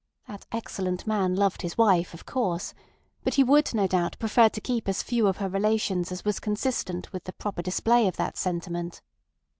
That excellent man loved his wife, of course, but he would, no doubt, prefer to keep as few of her relations as was consistent with the proper display of that sentiment.